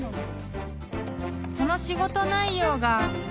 ［その仕事内容が］